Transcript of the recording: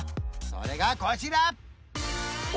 それがこちら！